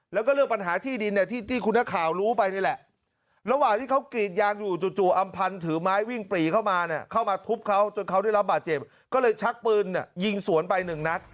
แล้วก็เลือกปัญหาที่ดินที่ตี้คุณข่าวรู้ไปนี่แหละ